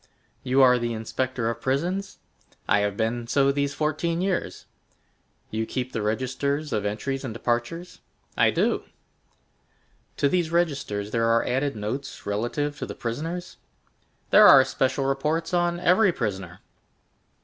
"You are the inspector of prisons?" "I have been so these fourteen years." "You keep the registers of entries and departures?" "I do." "To these registers there are added notes relative to the prisoners?" "There are special reports on every prisoner."